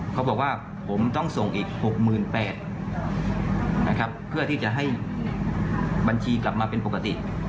เขาบอกว่าผมต้องส่งอีก๖๘๐๐นะครับเพื่อที่จะให้บัญชีกลับมาเป็นปกติ